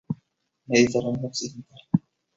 Mediterráneo occidental.